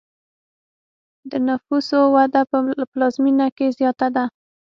د نفوسو وده په پلازمینه کې زیاته ده.